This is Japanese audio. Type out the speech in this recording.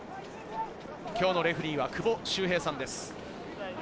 今日のレフェリーは久保修平さんです。